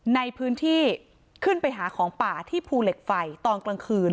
ในพื้นที่ขึ้นไปหาของป่าที่ภูเหล็กไฟตอนกลางคืน